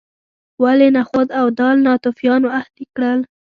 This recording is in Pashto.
ولې نخود او دال ناتوفیانو اهلي کړل.